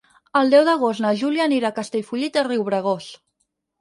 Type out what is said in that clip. El deu d'agost na Júlia anirà a Castellfollit de Riubregós.